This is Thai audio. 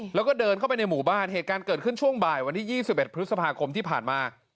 แล้วก็เดินเข้าไปในหมู่บ้านเหตุการณ์เกิดขึ้นช่วงบ่ายวันที่๒๑พฤษภาคมที่ผ่านมา